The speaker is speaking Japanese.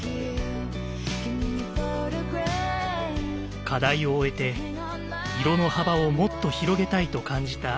課題を終えて色の幅をもっと広げたいと感じた山本さん。